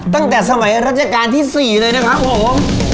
ตั้งแต่สมัยรัชกาลที่๔เลยนะครับผม